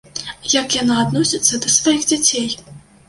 Як яна адносіцца да сваіх дзяцей?